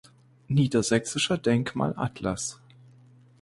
Niedersächsischer Denkmalatlas